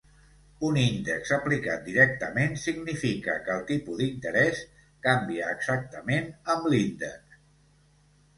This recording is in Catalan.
Un índex aplicat directament significa que el tipus d'interès canvia exactament amb l'índex.